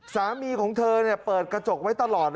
สามีของเธอเปิดกระจกไว้ตลอด